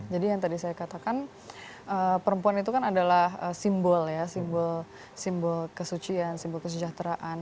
jadi yang tadi saya katakan perempuan itu kan adalah simbol ya simbol kesucian simbol kesejahteraan